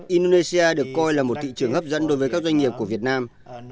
indonesia được coi là một thị trường hấp dẫn đối với các doanh nghiệp của việt nam